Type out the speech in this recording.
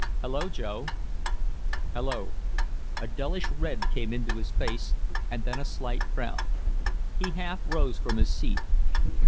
"Hello, Joe " "Hello." A dullish red came into his face and then a slight frown. He half rose from his seat.